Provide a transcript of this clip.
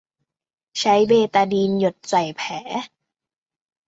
ใช้เบตาดีนหยดใส่แผล